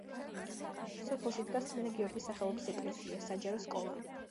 სოფელში დგას წმინდა გიორგის სახელობის ეკლესია, საჯარო სკოლა.